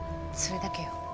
それだけよ。